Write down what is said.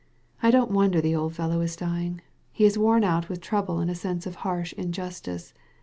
I don't wonder the old fellow is dying. He is worn out with trouble and a sense of harsh injustice.